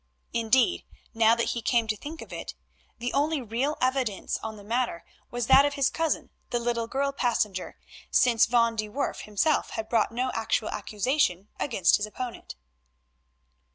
Indeed, now that he came to think of it, the only real evidence on the matter was that of his cousin, the little girl passenger, since Van de Werff himself had brought no actual accusation against his opponent.